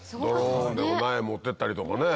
ドローンで苗を持ってったりとかね。